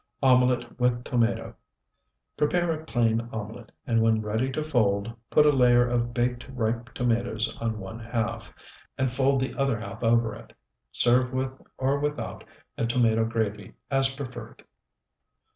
OMELET WITH TOMATO Prepare a plain omelet, and when ready to fold, put a layer of baked ripe tomatoes on one half, and fold the other half over it. Serve with or without a tomato gravy as preferred.